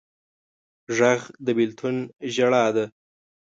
غږ د بېلتون ژړا ده